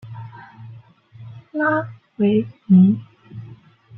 拉维尼。